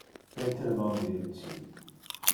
Peter non vive ci.